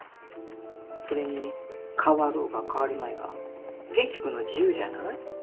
それに変わろうが変わるまいが元気君の自由じゃない？